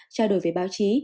trả đổi về báo chí